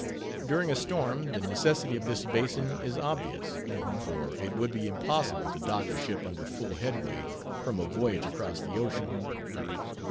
During a storm, the necessity of this basin is obvious; for it would be impossible to "dock" a ship under full headway from a voyage across the ocean.